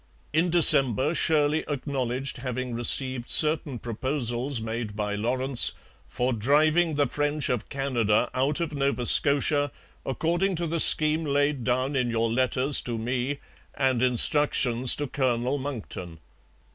In December Shirley acknowledged having received certain proposals made by Lawrence 'for driving the French of Canada out of Nova Scotia according to the scheme laid down in your letters to me and instructions to Colonel Monckton.